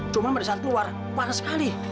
cuma pada saat keluar panas sekali